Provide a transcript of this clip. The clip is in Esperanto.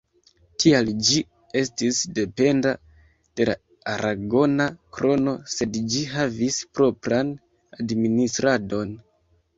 Tial ĝi estis dependa de la aragona krono sed ĝi havis propran administradon.